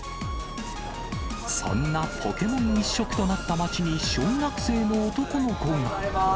そんなポケモン一色となった街に小学生の男の子が。